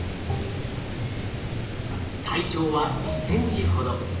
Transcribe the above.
体長は１センチほど。